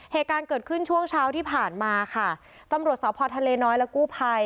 เหตุการณ์เกิดขึ้นช่วงเช้าที่ผ่านมาค่ะตำรวจสพทะเลน้อยและกู้ภัย